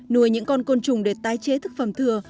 nùi những con côn trùng để tái chế thực phẩm thừa